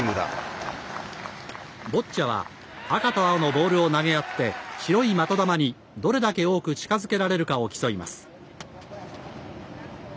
ボッチャは赤と青のボールを投げ合って白い的球に、どれだけ多く近づけられるかを競います。